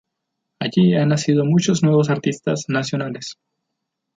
Allí han nacido muchos nuevos artistas nacionales.